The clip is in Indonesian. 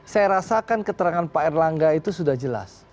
saya rasakan keterangan pak erlangga itu sudah jelas